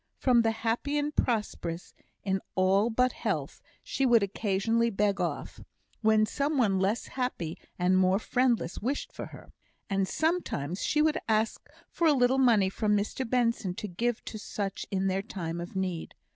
From the happy and prosperous in all but health, she would occasionally beg off, when some one less happy and more friendless wished for her; and sometimes she would ask for a little money from Mr Benson to give to such in their time of need.